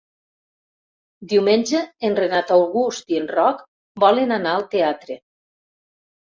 Diumenge en Renat August i en Roc volen anar al teatre.